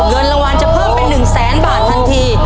เงินรางวัลจะเพิ่มไป๑๐๐๐๐๐บาททันที